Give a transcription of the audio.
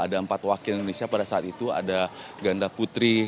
ada empat wakil indonesia pada saat itu ada ganda putri